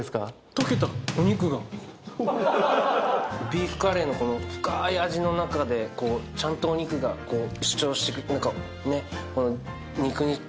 ビーフカレーのこの深ーい味の中でちゃんとお肉が主張して何か肉々しさとこの。